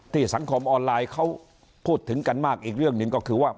สังคมออนไลน์เขาพูดถึงกันมากอีกเรื่องหนึ่งก็คือว่า